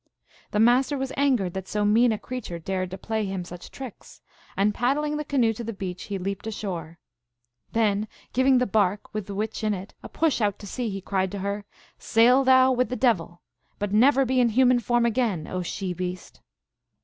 The Master was angered that so mean a creature dared to play him such tricks, and, pad dling the canoe to the beach, he leaped ashore. Then giving the bark, with the witch in it, a push out to sea, he cried to her, " Sail thou with the devil ! But never be in human form again, O she beast